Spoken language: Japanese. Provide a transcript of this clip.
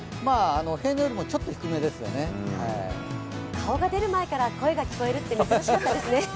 顔が出る前から、声が聞こえるって珍しいですね。